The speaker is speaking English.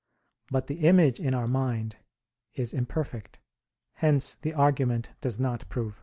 But the image in our mind is imperfect; hence the argument does not prove.